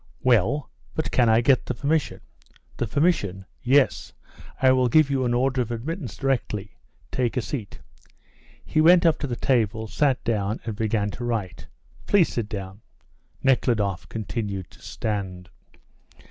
"Well; but can I get the permission?" "The permission? Yes, I will give you an order of admittance directly. Take a seat." He went up to the table, sat down, and began to write. "Please sit down." Nekhludoff continued to stand.